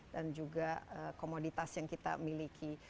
dan juga komoditas yang kita miliki